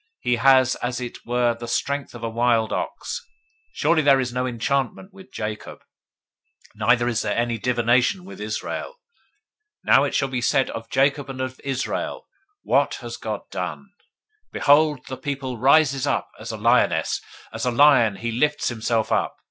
He has as it were the strength of the wild ox. 023:023 Surely there is no enchantment with Jacob; Neither is there any divination with Israel. Now it shall be said of Jacob and of Israel, What has God done! 023:024 Behold, the people rises up as a lioness, As a lion he lifts himself up.